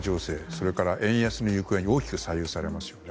それから円安の行方にも大きく左右されますよね。